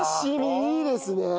いいですね。